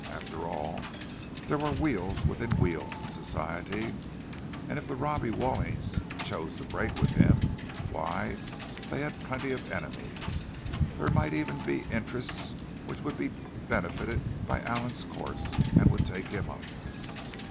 After all, there were wheels within wheels in Society; and if the Robbie Wallings chose to break with him—why, they had plenty of enemies. There might even be interests which would be benefited by Allan's course, and would take him up.